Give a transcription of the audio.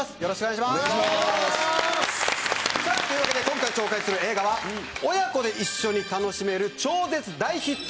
というわけで今回紹介する映画は親子で一緒に楽しめる超絶大ヒット